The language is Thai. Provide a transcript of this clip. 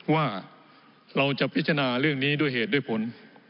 ว่าเราจะพิจารณาเรื่องนี้ด้วยเหตุด้วยผล